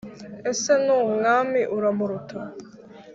ese n' umwami uramuruta